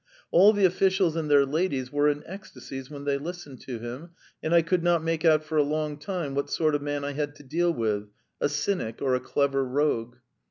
All the officials and their ladies were in ecstasies when they listened to him, and I could not make out for a long time what sort of man I had to deal with, a cynic or a clever rogue.